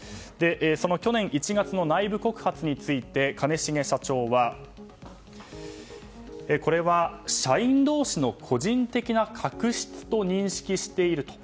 その去年１月の内部告発について兼重社長はこれは、社員同士の個人的な確執と認識していると。